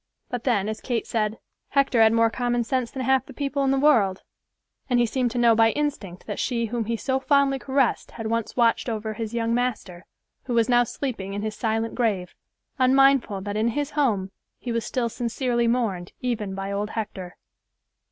But then, as Kate said, "Hector had more common sense than half the people in the world," and he seemed to know by instinct that she whom he so fondly caressed had once watched over his young master, who was now sleeping in his silent grave, unmindful that in his home he was still sincerely mourned even by old Hector.